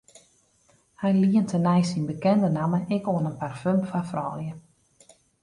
Hy lient tenei syn bekende namme ek oan in parfum foar froulju.